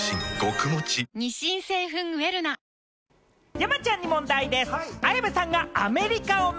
山ちゃんに問題です。